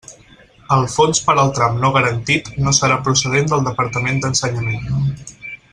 El fons per al tram no garantit no serà procedent del Departament d'Ensenyament.